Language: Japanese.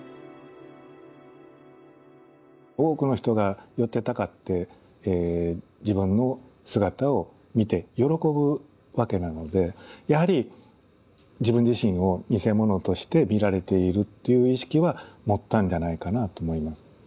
多くの人が寄ってたかって自分の姿を見て喜ぶわけなのでやはり自分自身を見せ物として見られているっていう意識は持ったんじゃないかなと思います。